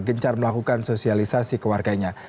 gencar melakukan sosialisasi kewarganya